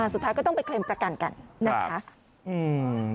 สุดท้ายก็ต้องไปเคลมประกันกันนะคะ